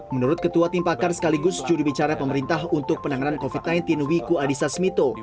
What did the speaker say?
menurut ketua timpakan sekaligus judi bicara pemerintah untuk penanganan covid sembilan belas wiku adhisa smito